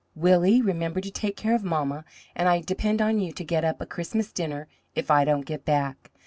Willie, remember to take care of mamma, and I depend on you to get up a Christmas dinner if I don't get back.